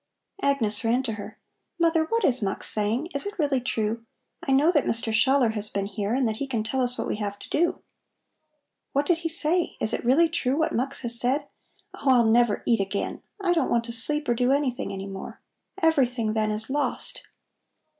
Agnes ran to her. "Mother, what is Mux saying? Is it really true? I know that Mr. Schaller has been here and that he can tell us what we have to do. What did he say? Is it really true what Mux has said? Oh, I'll never eat again! I don't want to sleep or do anything any more. Everything, then, is lost!"